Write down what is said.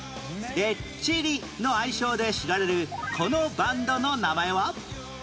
「レッチリ」の愛称で知られるこのバンドの名前は？